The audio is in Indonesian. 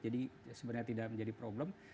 jadi sebenarnya tidak menjadi problem